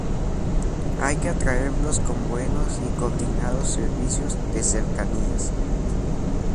hay que atraerlos con buenos y coordinados servicios de cercanías